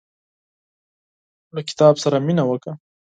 له کتاب سره مينه وکړه.